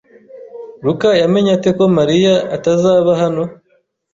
Luka yamenye ate ko Mariya atazaba hano?